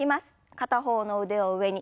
片方の腕を上に。